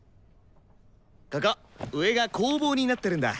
ここ上が工房になってるんだ。